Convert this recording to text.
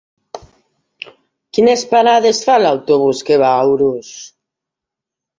Quines parades fa l'autobús que va a Urús?